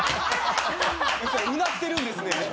うなってるんですね。